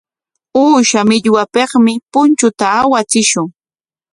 Uusha millwapikmi punchuta awachishun.